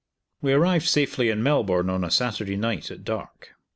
We arrived safely in Melbourne on a Saturday night at dark.